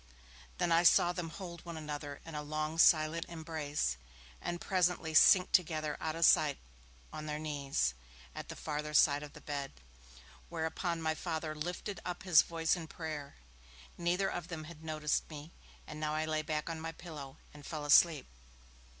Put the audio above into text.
Then I saw them hold one another in a silent long embrace, and presently sink together out of sight on their knees, at the farther side of the bed, whereupon my Father lifted up his voice in prayer. Neither of them had noticed me, and now I lay back on my pillow and fell asleep.